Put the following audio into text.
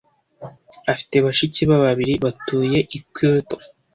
Afite bashiki be babiri. Batuye i Kyoto.